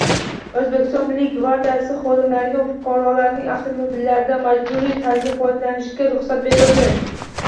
O‘zbekiston Milliy gvardiyasi xodimlariga fuqarolarning avtomobillaridan majburiy tarzda foydalanishga ruxsat berildi